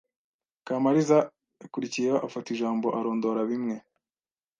Kamariza yakurikiyeho afata ijambo arondora bimwe